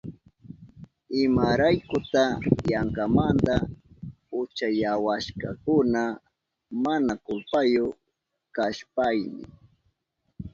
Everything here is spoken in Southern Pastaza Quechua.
¿Imaraykuta yankamanta uchachiwashkakuna mana kulpayu kashpayni?